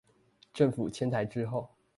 政府遷台之後